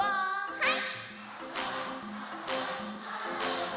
はい！